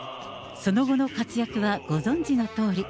その後の活躍はご存じのとおり。